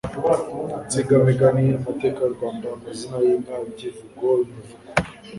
insigamigani, amateka y'u Rwanda, amazina y'inka, ibyivugo, imivugo